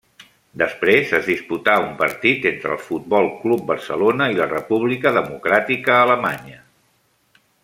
Després es disputà un partit entre el Futbol Club Barcelona i la República Democràtica Alemanya.